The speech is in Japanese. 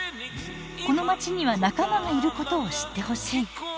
このまちには仲間がいることを知ってほしい。